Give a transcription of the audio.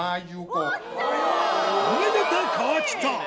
おめでた河北。